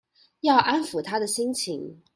要安撫她的心情